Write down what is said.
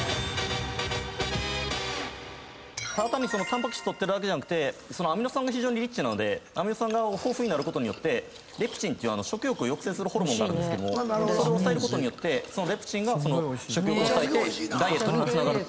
タンパク質取ってるだけじゃなくてアミノ酸が非常にリッチなのでアミノ酸が豊富になることによってレプチンっていう食欲を抑制するホルモンがあるんですけどもそれを抑えることによってレプチンが食欲抑えてダイエットにもつながる。